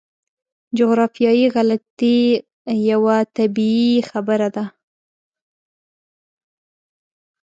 جغرافیایي غلطي یوه طبیعي خبره ده.